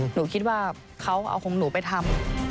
หนูคิดว่าเขาเอาของหนูไปทำ